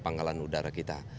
panggilan udara kita